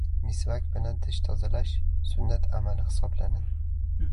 Misvak bilan tish tozalash — sunnat amali hisoblanadi.